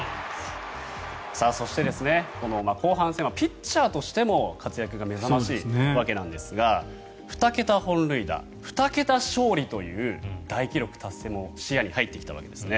そして、後半戦はピッチャーとしても活躍が目覚ましいわけなんですが２桁本塁打、２桁勝利という大記録達成も視野に入ってきたわけですね。